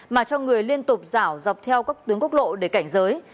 mà cho người liên tục dảo dọc theo các tướng quốc lộ để cảnh giới